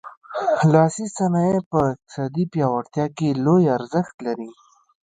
لاسي صنایع په اقتصادي پیاوړتیا کې لوی ارزښت لري.